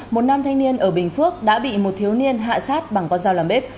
một nam thanh niên ở bình phước đã bị một thiếu niên hạ sát bằng con dao làm bếp